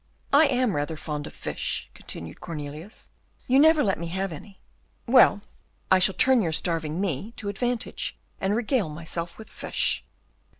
"I am rather fond of fish," continued Cornelius; "you never let me have any. Well, I shall turn your starving me to advantage, and regale myself with fish."